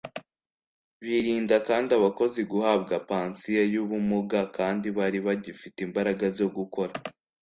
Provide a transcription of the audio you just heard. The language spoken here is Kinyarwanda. birinda kandi abakozi guhabwa pansiyo y’ubumuga kandi bari bagifite imbaraga zo gukora